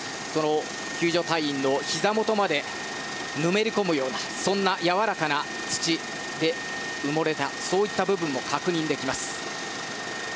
救助隊員のひざ元までぬめりこむようなそんなやわらかな土で埋もれたそういった部分も確認できます。